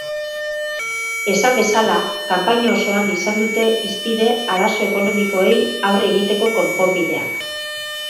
Esan bezala, kanpaina osoan izan dute hizpide arazo ekonomikoei aurre egiteko konponbideak.